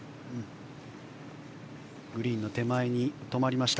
グリーンの手前に止まりました。